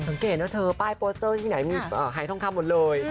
สังเกตนะเธอป้ายโปสเตอร์ที่ไหนมีหายทองคำหมดเลย